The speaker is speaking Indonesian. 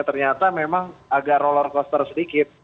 ternyata memang agak rollercoaster sedikit